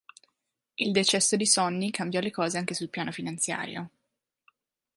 Il decesso di Sonny cambiò le cose anche sul piano finanziario.